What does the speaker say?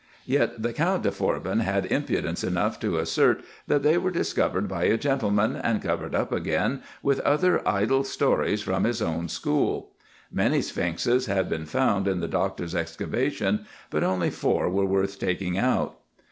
Yet the Count de Forbin had impudence enough to assert, that they were discovered by a gentleman, and covered up again, with other idle stories from his own school. Many sphinxes had been found in the Doctor's excavation, but only four were worth taking out.